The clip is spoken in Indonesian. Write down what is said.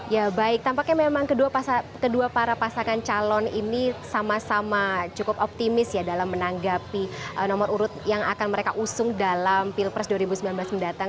ya baik tampaknya memang kedua para pasangan calon ini sama sama cukup optimis ya dalam menanggapi nomor urut yang akan mereka usung dalam pilpres dua ribu sembilan belas mendatang